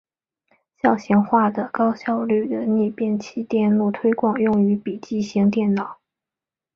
小型化和高效率的逆变器电路推广用于笔记型电脑。